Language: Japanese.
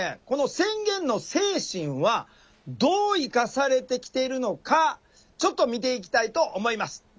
この宣言の精神はどう生かされてきているのかちょっと見ていきたいと思います。